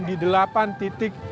di delapan titik